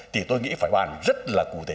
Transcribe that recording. thì tôi nghĩ phải bàn rất là cụ thể